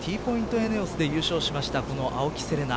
エネオスで優勝しました青木瀬令奈